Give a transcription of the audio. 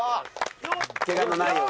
ケガのないように。